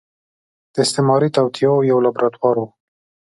د استعماري توطيو يو لابراتوار و.